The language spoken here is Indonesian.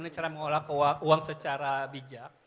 dengan cara mengolah uang secara bijak